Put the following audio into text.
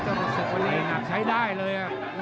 จะรู้สึกว่าเล่นอันที่นักใช้ได้เลยอ่ะ